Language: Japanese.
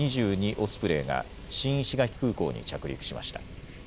オスプレイが新石垣空港に着陸しました。